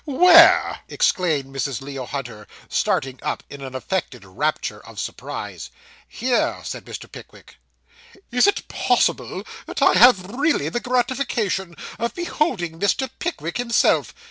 Where!' exclaimed Mrs. Leo Hunter, starting up, in an affected rapture of surprise. 'Here,' said Mr. Pickwick. 'Is it possible that I have really the gratification of beholding Mr. Pickwick himself!